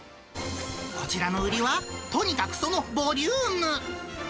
こちらの売りは、とにかくそのボリューム。